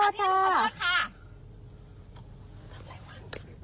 นี่โทษสคม